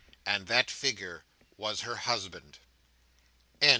And that figure was her husband.